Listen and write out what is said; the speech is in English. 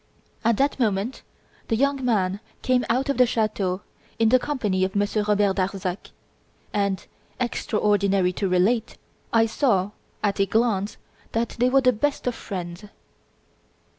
At that moment the young man came out of the chateau in the company of Monsieur Robert Darzac, and, extraordinary to relate, I saw, at a glance, that they were the best of friends.